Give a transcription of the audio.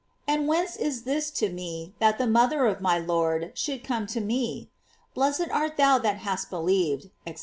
. and whence is this to me, that the mother of my Lord should come to me ... .Blessed art thou that hast believ ed, &c.